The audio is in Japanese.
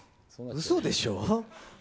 うそでしょ？